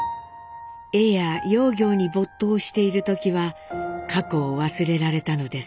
絵や窯業に没頭している時は過去を忘れられたのです。